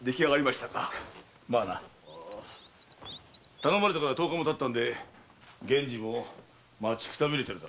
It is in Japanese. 頼まれてから十日も経ったんで源次も待ちくたびれてるだろう。